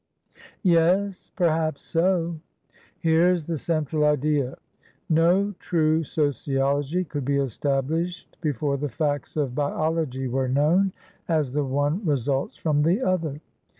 "Yesperhaps so" "Here's the central idea. No true sociology could be established before the facts of biology were known, as the one results from the other.